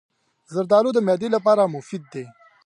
زردالو د معدې لپاره مفید دی.